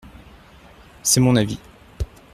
C'est mon avis.